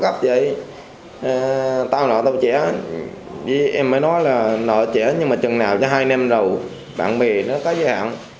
bạc vậy tao nợ tao trẻ em mới nói là nợ trẻ nhưng mà chẳng nào cho hai năm đầu bạn bè nó có gì hẳn